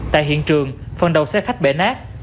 tại hiện trường phần đầu xe khách bể nát